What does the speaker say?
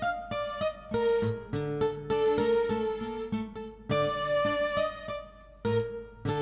kamu mau nyerang ah kang